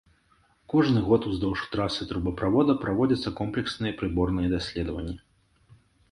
Кожны год уздоўж трасы трубаправода праводзяцца комплексныя прыборныя даследаванні.